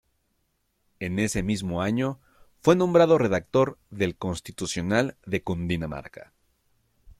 En ese mismo año fue nombrado redactor del Constitucional de Cundinamarca.